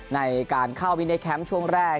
ในการเข้าวินัยแคมป์ช่วงแรก